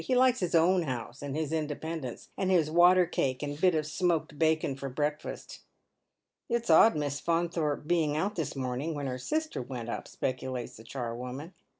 He likes his own house and his independence, and his water cake and bit of smoked bacon for breakfast." " It's odd Miss Faunthorpe being out this morning, when her sister went up," speculates the charwoman.